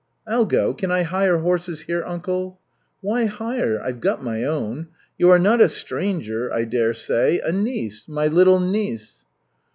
"I'll go. Can I hire horses here, uncle?" "Why hire? I've got my own. You are not a stranger, I dare say, a niece, my little niece."